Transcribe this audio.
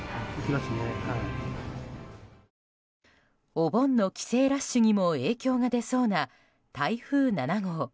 お盆の帰省ラッシュにも影響が出そうな台風７号。